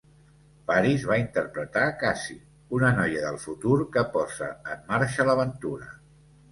Faris va interpretar Cassie, una noia del futur que posa en marxa l'aventura.